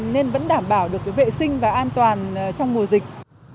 nên vẫn đảm bảo được vệ sinh và an toàn trong mùa dịch